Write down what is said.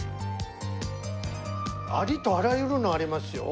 ありとあらゆるのありますよ。